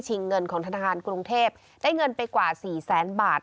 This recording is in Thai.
เงินของธนาคารกรุงเทพได้เงินไปกว่าสี่แสนบาท